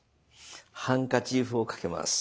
ハンカチーフをかけます。